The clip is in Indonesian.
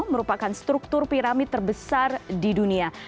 merupakan struktur piramid terbesar di dunia